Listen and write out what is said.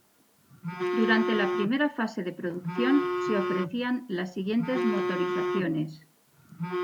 Durante la primera fase de producción se ofrecían las siguientes motorizaciones.